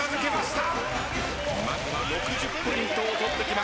まずは６０ポイントを取ってきました。